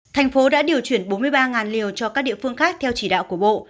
tp hcm đã điều chuyển bốn mươi ba liều cho các địa phương khác theo chỉ đạo của bộ